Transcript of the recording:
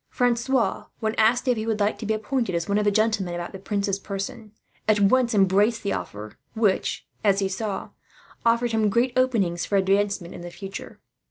Francois, when asked if he would like to be appointed as one of the gentlemen about the prince's person, at once embraced the offer; which, as he saw, afforded him great openings for advancement in the future.